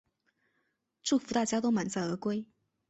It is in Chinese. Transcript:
祝福大家都满载而归